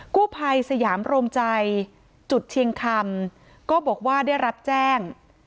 กู้ภัยสยามโรมใจจุดเชียงคำก็บอกว่าได้รับแจ้ง